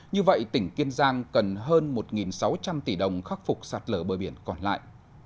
như vậy tỉnh kiên giang cần hơn một sáu trăm linh tỷ đồng khắc phục sạt lở bờ biển còn lại